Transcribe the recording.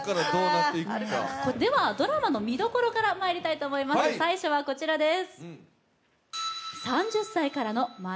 ではドラマのみどころからまいります、最初はこちらです。